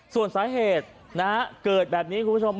ส่วนสาเหตุเกิดแบบนี้คุณผู้ชม